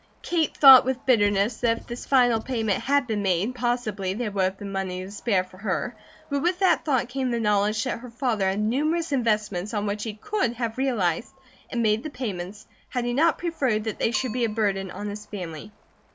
Kate thought with bitterness that if this final payment had been made possibly there would have been money to spare for her; but with that thought came the knowledge that her father had numerous investments on which he could have realized and made the payments had he not preferred that they should be a burden on his family.